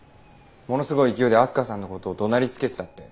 ものすごい勢いで明日香さんの事を怒鳴りつけてたって。